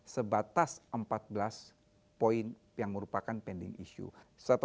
sebatas empat belas poin yang merupakan pending issue